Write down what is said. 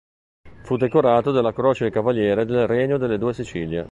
Fu decorato della croce di cavaliere del Regno delle Due Sicilie.